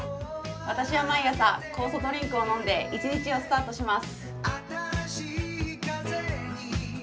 私は毎朝、酵素ドリンクを飲んで一日をスタートしています。